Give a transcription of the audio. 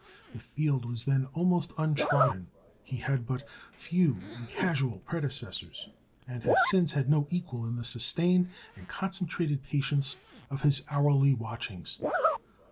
The field was then almost untrodden; he had but few and casual predecessors, and has since had no equal in the sustained and concentrated patience of his hourly watchings.